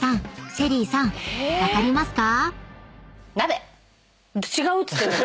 ＳＨＥＬＬＹさん分かりますか？］